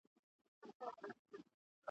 په نیژدې لیري ښارو کي آزمېیلی..